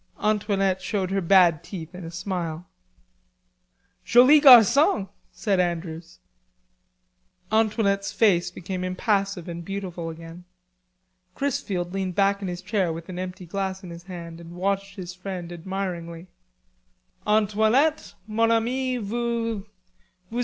Antoinette showed her bad teeth in a smile. "Joli garcon," said Andrews. Antoinette's face became impassive and beautiful again. Chrisfield leaned back in his chair with an empty glass in his hand and watched his friend admiringly. "Antoinette, mon ami vous...